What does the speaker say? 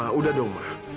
ya udah dong ma